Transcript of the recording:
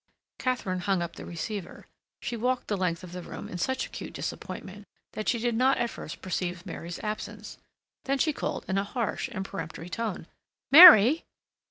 Katharine hung up the receiver. She walked the length of the room in such acute disappointment that she did not at first perceive Mary's absence. Then she called in a harsh and peremptory tone: "Mary."